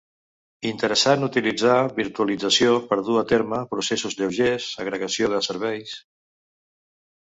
Interessant utilitzar virtualització per dur a terme processos lleugers, agregació de serveis.